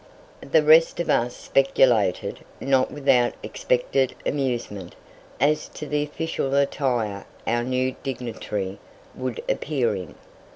The rest of us speculated, not without expected amusement, as to the official attire our new dignitary would appear in.